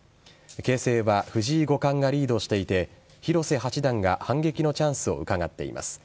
形勢は藤井五冠がリードしていて広瀬八段が反撃のチャンスをうかがっています。